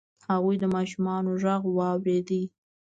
هغوی د ماشومانو غږ واورید.